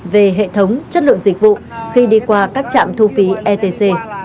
về hệ thống chất lượng dịch vụ khi đi qua các trạm thu phí etc